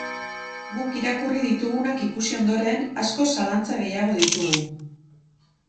Guk irakurri ditugunak ikusi ondoren, askoz zalantza gehiago ditugu.